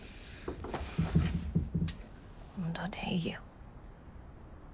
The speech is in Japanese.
今度でいいよ。